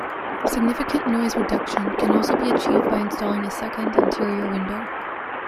Significant noise reduction can also be achieved by installing a second interior window.